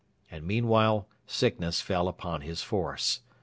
And meanwhile sickness fell upon his force.